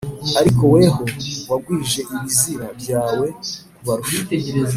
ariko weho wagwije ibizira byawe kubarusha